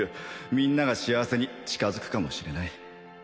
みんなが幸せに近づくかもしれない